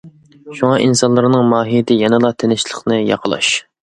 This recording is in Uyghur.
شۇڭا، ئىنسانلارنىڭ ماھىيىتى يەنىلا تىنچلىقنى ياقىلاش.